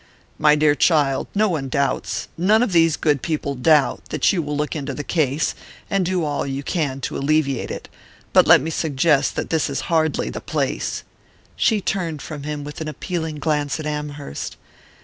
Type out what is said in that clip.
"My dear child, no one doubts none of these good people doubt that you will look into the case, and do all you can to alleviate it; but let me suggest that this is hardly the place " She turned from him with an appealing glance at Amherst.